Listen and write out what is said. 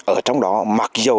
ở trong đó mặc dù